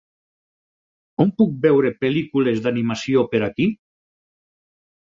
On puc veure pel·lícules d'animació per aquí?